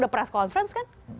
udah press conference kan